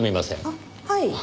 あっはい。